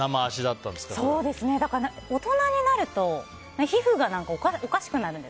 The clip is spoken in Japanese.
大人になると皮膚がおかしくなるんです。